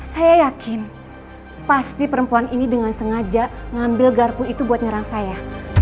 saya yakin pasti perempuan ini dengan sengaja ngambil garpu itu buat nyerang saya